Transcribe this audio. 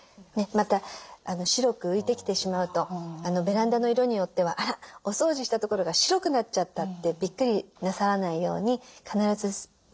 また白く浮いてきてしまうとベランダの色によっては「あらお掃除したところが白くなっちゃった！」ってビックリなさらないように必ず水で流してください。